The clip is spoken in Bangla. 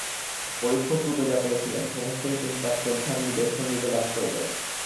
পরীক্ষকরূপে যা পেয়েছিলেন সমস্তই তিনি তাঁর শ্রদ্ধার নিদর্শনরূপে দান করে গেলেন।